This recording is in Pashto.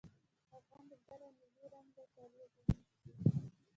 افغان لوبډله نیلي رنګه کالي اغوندي.